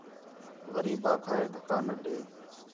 غریب آکھا ہِے دِھکّا نہ ݙے